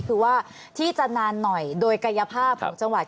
คือว่าที่จะนานหน่อยโดยกายภาพของจังหวัด